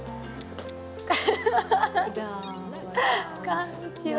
こんにちは。